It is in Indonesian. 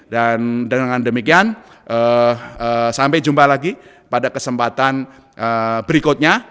dan dengan demikian sampai jumpa lagi pada kesempatan berikutnya